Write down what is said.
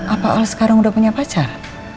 apa orang sekarang udah punya pacar